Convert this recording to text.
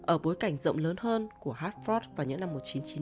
ở bối cảnh rộng lớn hơn của htford vào những năm một nghìn chín trăm chín mươi